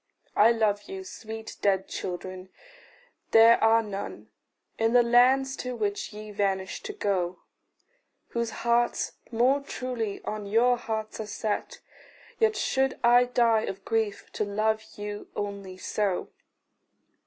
I love you, sweet dead children; there are none In the land to which ye vanished to go, Whose hearts more truly on your hearts are set Yet should I die of grief to love you only so.